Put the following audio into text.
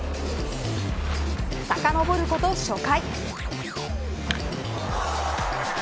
さかのぼること初回。